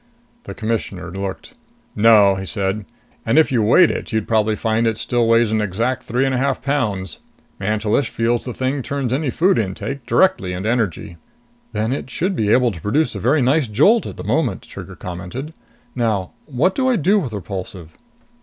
The Commissioner looked. "No," he said. "And if you weighed it, you'd probably find it still weighs an exact three and a half pounds. Mantelish feels the thing turns any food intake directly into energy." "Then it should be able to produce a very nice jolt at the moment," Trigger commented. "Now, what do I do with Repulsive?"